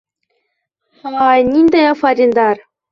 Һай, ниндәй афариндар!